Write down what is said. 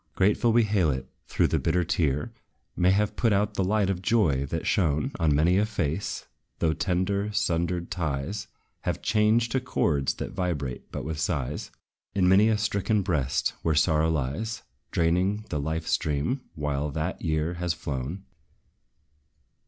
Grateful we hail it, though the bitter tear May have put out the light of joy that shone On many a face; though tender, sundered ties Have changed to chords that vibrate but with sighs, In many a stricken breast where sorrow lies, Draining the life stream, while that year has flown.